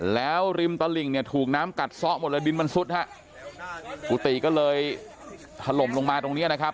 แล้วริมตลิ่งเนี่ยถูกน้ำกัดซะหมดเลยดินมันซุดฮะกุฏิก็เลยถล่มลงมาตรงเนี้ยนะครับ